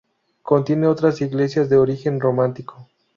Contiene otras iglesias de origen románico.